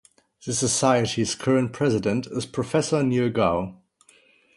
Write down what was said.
The society's current president is Professor Neil Gow.